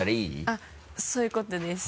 あっそういうことです。